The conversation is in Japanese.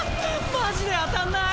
マジで当たんない！